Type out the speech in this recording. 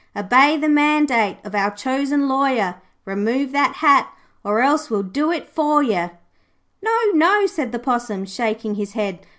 'Obey the mandate of our chosen lawyer, Remove that hat, or else we'll do it faw yer.' 'No, no,' said the Possum, shaking his head.